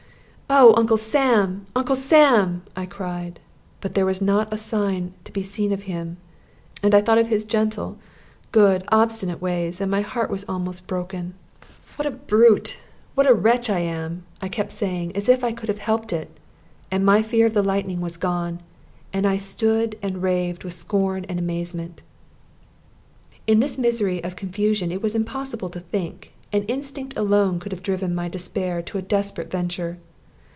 "Oh, Uncle Sam! Uncle Sam!" I cried. But there was not a sign to be seen of him; and I thought of his gentle, good, obstinate ways, and my heart was almost broken. "What a brute what a wretch I am!" I kept saying, as if I could have helped it; and my fear of the lightning was gone, and I stood and raved with scorn and amazement. In this misery of confusion it was impossible to think, and instinct alone could have driven my despair to a desperate venture.